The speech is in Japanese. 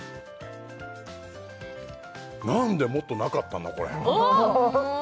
何でもっとなかったんだこれ？